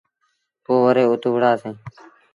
پو وري اُت وُهڙآسيٚݩ۔